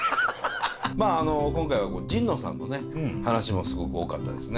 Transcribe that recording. まああの今回は神野さんのね話もすごく多かったですね。